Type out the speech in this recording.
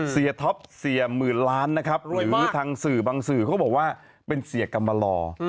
ท็อปเสียหมื่นล้านนะครับหรือทางสื่อบางสื่อเขาก็บอกว่าเป็นเสียกรรมลอ